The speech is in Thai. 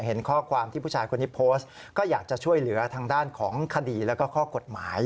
เห็นข้อความที่ผู้ชายคนนี้โพสต์ก็อยากจะช่วยเหลือทางด้านของคดีแล้วก็ข้อกฎหมาย